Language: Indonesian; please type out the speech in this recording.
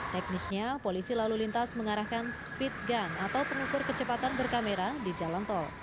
teknisnya polisi lalu lintas mengarahkan speed gun atau pengukur kecepatan berkamera di jalan tol